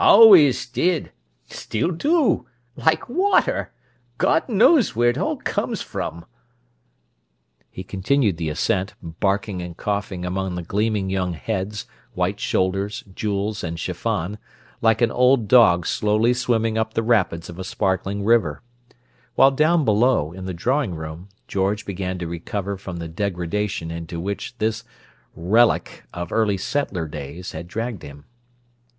Always did! Still do! Like water! God knows where it all comes from!" He continued the ascent, barking and coughing among the gleaming young heads, white shoulders, jewels, and chiffon, like an old dog slowly swimming up the rapids of a sparkling river; while down below, in the drawing room, George began to recover from the degradation into which this relic of early settler days had dragged him.